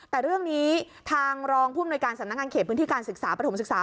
แต่เรื่องนี้ทางรองผู้อำนวยการสำนักงานเขตพื้นที่การศึกษาปฐมศึกษา